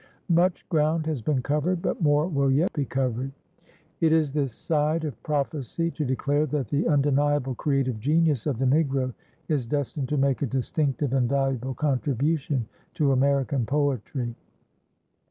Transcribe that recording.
Much ground has been covered, but more will yet be covered. It is this side of prophecy to declare that the undeniable creative genius of the Negro is destined to make a distinctive and valuable contribution to American poetry.